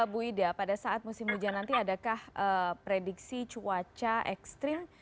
bu ida pada saat musim hujan nanti adakah prediksi cuaca ekstrim